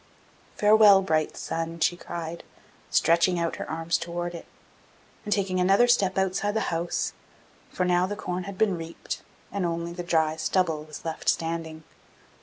'Farewell, bright sun!' she cried, stretching out her arms towards it, and taking another step outside the house; for now the corn had been reaped, and only the dry stubble was left standing.